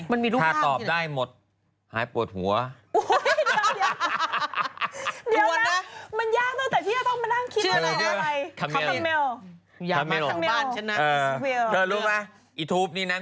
เออทีเดียวเฉียวนะ